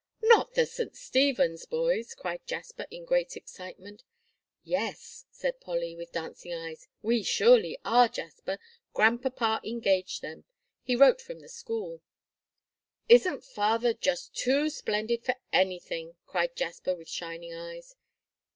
"Not the St. Stephen's boys!" cried Jasper, in great excitement. "Yes," said Polly, with dancing eyes, "we surely are, Jasper; Grandpapa engaged them. He wrote from the school." "Isn't Father just too splendid for anything!" cried Jasper, with shining eyes.